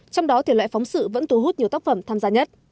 trong đó thể loại phóng sự vẫn thu hút nhiều tác phẩm tham gia nhất